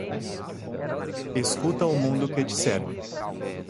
escuta o mundo que te cerca